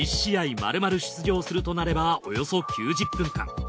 まるまる出場するとなればおよそ９０分間。